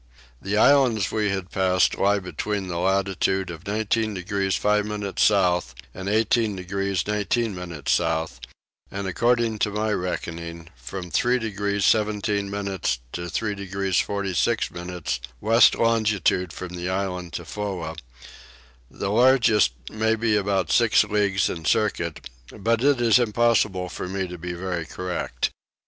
The islands we had passed lie between the latitude of 19 degrees 5 minutes south and 18 degrees 19 minutes south, and according to my reckoning from 3 degrees 17 minutes to 3 degrees 46 minutes west longitude from the island Tofoa: the largest may be about six leagues in circuit; but it is impossible for me to be very correct.